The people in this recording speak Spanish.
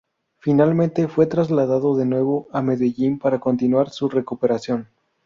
Finalmente, fue trasladado de nuevo a Medellín para continuar su recuperación.